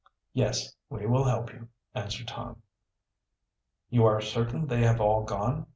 "Yes, we will help you," answered Tom. "You are certain they have all gone?"